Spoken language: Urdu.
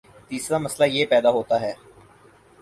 تیسرامسئلہ یہ پیدا ہوتا ہے